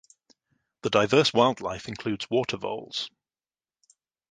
The diverse wildlife includes water voles.